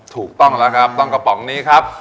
ถูกต้องแล้วครับต้องกระป๋องนี้ครับ